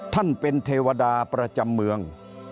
ท่านเป็นเทวดาประจำเมือง